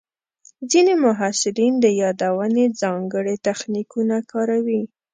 ځینې محصلین د یادونې ځانګړي تخنیکونه کاروي.